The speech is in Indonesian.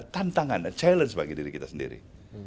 tantangan dan challenge bagi diri kita sendiri